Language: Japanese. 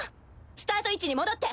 スタート位置に戻って。